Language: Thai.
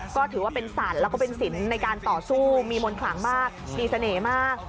ก็ถือว่าเป็นสัตว์แล้วก็เป็นสินในการต่อสู้มีมนต์ขลังมากมีเสน่ห์มาก